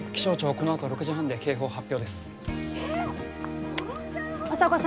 このあと６時半に警報発表。